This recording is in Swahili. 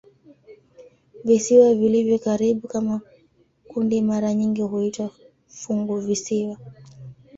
Visiwa vilivyo karibu kama kundi mara nyingi huitwa "funguvisiwa".